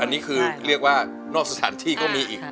อันนี้คือเรียกว่านอกสถานที่ก็มีอีก